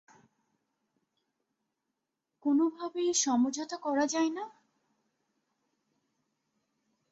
কোনোভাবে সমঝোতা করা যায় না?